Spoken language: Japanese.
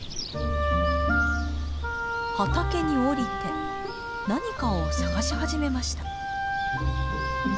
畑に降りて何かを探し始めました。